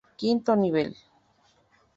Quinto nivel.